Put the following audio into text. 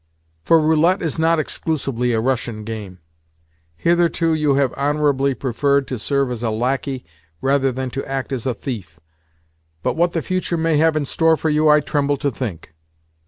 For roulette is not exclusively a Russian game. Hitherto, you have honourably preferred to serve as a lacquey rather than to act as a thief; but what the future may have in store for you I tremble to think.